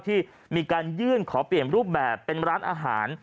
ที่มีการยื่นขอเปลี่ยนรูปแบบเป็นร้านอาหาร